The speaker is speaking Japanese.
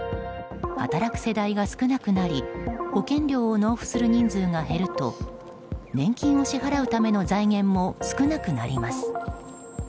働く世代が少なくなり保険料を納付する人数が減ると年金を支払うための財源も少なくなります。